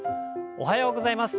おはようございます。